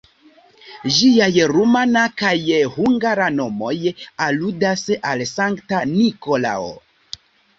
Ĝiaj rumana kaj hungara nomoj aludas al Sankta Nikolao.